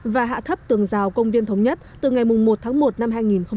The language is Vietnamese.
và hạ thấp tường rào công viên thống nhất từ ngày một tháng một năm hai nghìn hai mươi